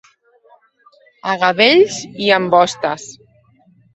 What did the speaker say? A gavells i ambostes.